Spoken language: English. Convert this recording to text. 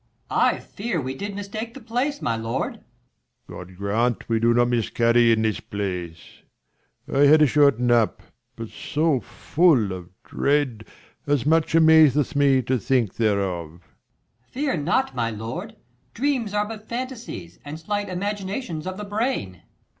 Per. I fear, we did mistake the place, my lord. 40 Leir. God grant we do not miscarry in the place : I had a short nap, but so full of dread, As much amazeth me to think thereof. Per. Fear not, my lord, dreams are but fantasies, And slight imaginations of the brain.